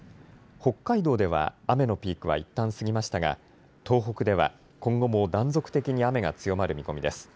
北海道では雨のピークはいったん過ぎましたが東北では今後も断続的に雨が強まる見込みです。